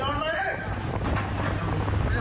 อ้าวมึงไม่เอาออกมา